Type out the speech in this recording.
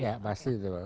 ya pasti itu